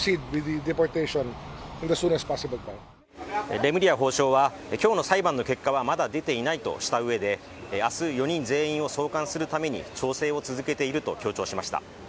レムリヤ法相は、今日の裁判の結果はまだ出ていないとしたうえで明日、４人全員を送還するために調整を続けていると強調しました。